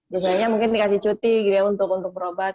biasanya mungkin dikasih cuti untuk berobat